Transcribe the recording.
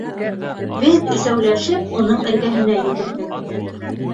Беҙ өсәүләшеп уның эргәһенә йүгерҙек.